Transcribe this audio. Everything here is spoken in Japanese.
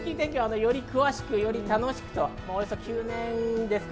より詳しく、より楽しく、９年ですか。